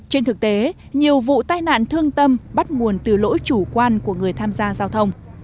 trên thực tế nhiều vụ tai nạn thương tâm bắt nguồn từ lỗi chủ quan của người tham gia giao thông